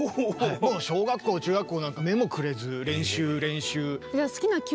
もう小学校中学校なんか目もくれず練習練習。